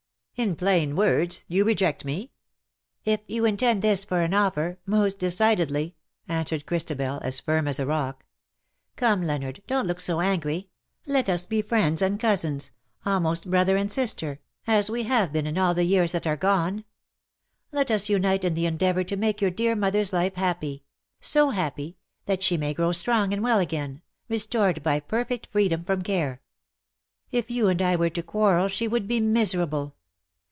''" In plain words, you reject me ?"" If you intend this for an offer, most decidedly/' answered Christabel, as firm as a rock. '' Come, Leonard, don't look so angry ; let us be friends and cousins — almost brother and sister — as we have n 9. 84 ^' LOVE WILL HAVE HIS DAY." been in all the years that are gone. Let ns unite in the endeavour to make j^our dear mother^s life happy — so happy, that she may grow strong and well again — restored by perfect freedom from care. If you and I were to quarrel she would be miserable.